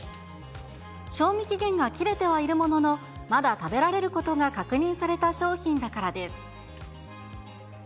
賞味期限が切れてはいるものの、まだ食べられることが確認された商品だからです。